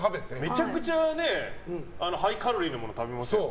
めちゃくちゃハイカロリーなもの食べますよね。